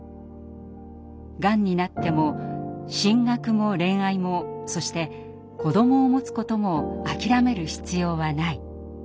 「がんになっても進学も恋愛もそして子どもをもつことも諦める必要はない」。